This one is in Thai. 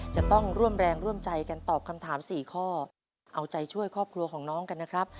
จะต้องร่วมแรงร่วมใจกันตอบคำถามสี่ข้อเอาใจช่วยครอบครัวของน้องกันนะครับ